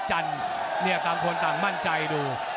นรินทร์ธรรมีรันดร์อำนาจสายฉลาด